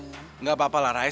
enggak apa apalah rais